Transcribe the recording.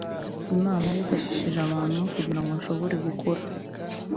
Imana yifashishije abantu kugira ngo nshobore gukura